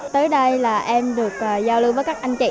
tới đây là em được giao lưu với các anh chị